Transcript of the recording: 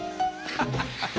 ハハハハ！